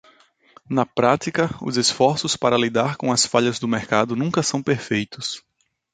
Na prática, os esforços para lidar com as falhas do mercado nunca são perfeitos.